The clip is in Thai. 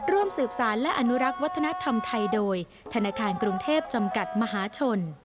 ร่วมสืบสารและอนุรักษ์วัฒนธรรมไทยโดยธนาคารกรุงเทพจำกัดมหาชน